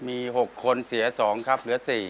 มี๖คนเสีย๒ครับเหลือ๔